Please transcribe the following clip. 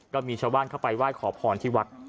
ก็มีชาวบ้านเข้าไปไหว้ขอพรที่วัด